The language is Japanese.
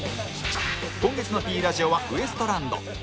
今月の Ｐ ラジオはウエストランド